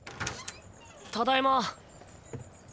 ただいま。